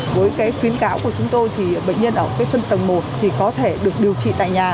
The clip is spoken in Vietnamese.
với khuyến cáo của chúng tôi bệnh nhân ở phân tầng một có thể được điều trị tại nhà